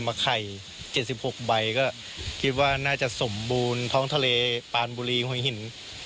มาไข่๗๖ใบก็คิดว่าน่าจะสมบูรณ์ท้องทะเลปานบุรีหัวหิน